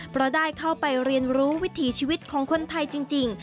เพราะได้เข้าไปเรียนรู้วิถีชีวิตของคนไทยจริง